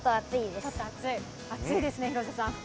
暑いですね、広瀬さん。